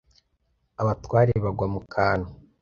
Abatware bagwa mu kantu